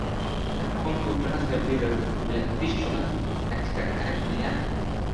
na Kongo Brazzaville Ulianzishwa katika karne ya